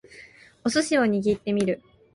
お寿司を握ってみる